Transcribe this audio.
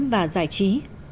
và giải trí